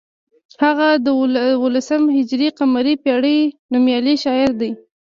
هغه د دولسم هجري قمري پیړۍ نومیالی شاعر دی.